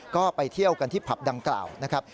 ก็ไปเที่ยวกันที่ผับดังกล่าวนะครับ